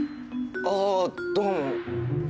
ああどうも。